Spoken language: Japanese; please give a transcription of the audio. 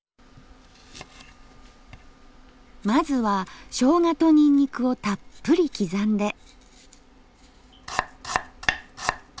まずはしょうがとニンニクをたっぷり刻んで。